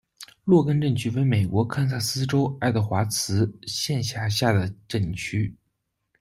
洛根镇区为美国堪萨斯州爱德华兹县辖下的镇区。